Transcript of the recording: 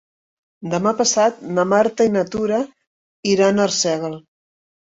Demà passat na Marta i na Tura iran a Arsèguel.